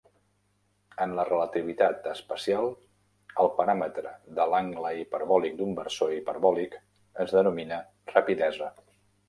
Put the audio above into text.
En la relativitat especial, el paràmetre de l'angle hiperbòlic d'un versor hiperbòlic es denomina rapidesa.